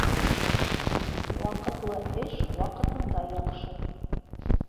Ваҡытлы эш ваҡытында яҡшы.